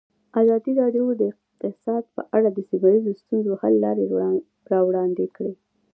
ازادي راډیو د اقتصاد په اړه د سیمه ییزو ستونزو حل لارې راوړاندې کړې.